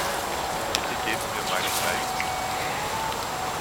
Bitte gebt mir meinen Leib zurück.